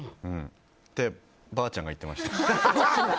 ってばあちゃんが言ってました。